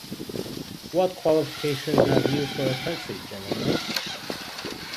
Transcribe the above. What qualification have you for a country gentleman?